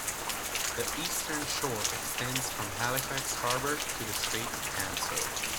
The Eastern Shore extends from Halifax Harbour to the Strait of Canso.